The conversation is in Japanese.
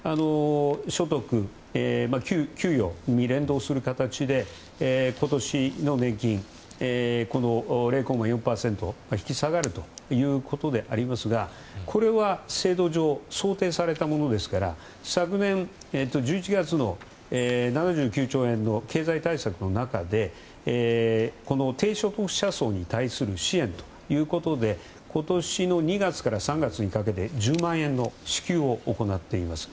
所得、給与に連動する形で今年の年金０．４％引き下がるということでありますがこれは制度上想定されたものですから昨年１１月の７９兆円の経済対策の中で低所得者層に対する支援ということで今年の２月から３月にかけて１０万円の支給を行っています。